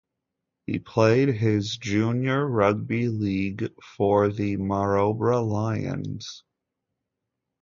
He played his junior rugby league for the Maroubra Lions.